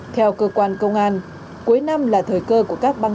theo cơ quan công an cuối năm là thời cơ của các băng